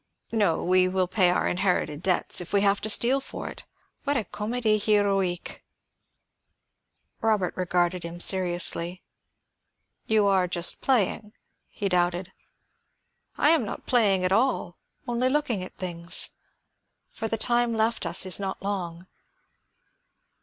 No; we will pay our inherited debts, if we have to steal for it. What a comédie héroïque!" Robert regarded him seriously. "You are just playing?" he doubted. "I am not playing at all; only looking at things. For the time left us is not long.